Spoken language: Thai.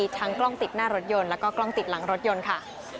ทั้งกล้องติดหน้ารถยนต์แล้วก็กล้องติดหลังรถยนต์ค่ะ